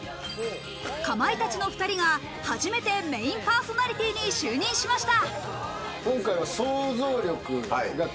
かまいたちの２人が初めてメインパーソナリティーに就任しました。